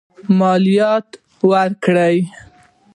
مالیات ورکوي.